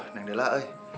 neng dela eh